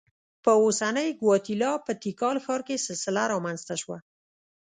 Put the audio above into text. په اوسنۍ ګواتیلا په تیکال ښار کې سلسله رامنځته شوه.